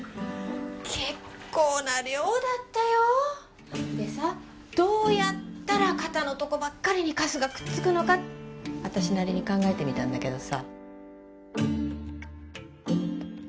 結構な量だったよでさどうやったら肩のとこばっかりにカスがくっつくのか私なりに考えてみたんだけどさ